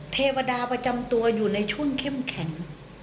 เทวดาประจำตัวอยู่ในช่วงเข้มแข็ง